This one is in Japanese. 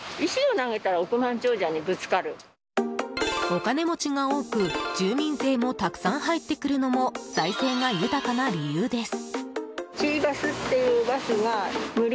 お金持ちが多く住民税もたくさん入ってくるのも財政が豊かな理由です。